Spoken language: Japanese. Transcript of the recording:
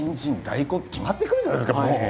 大根って決まってくるじゃないですかもう。